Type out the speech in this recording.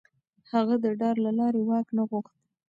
هغه د ډار له لارې واک نه غوښت.